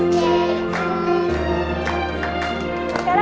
sekarang di terminals ya